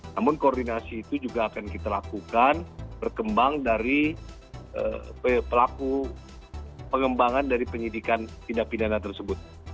namun koordinasi itu juga akan kita lakukan berkembang dari pelaku pengembangan dari penyidikan tindak pidana tersebut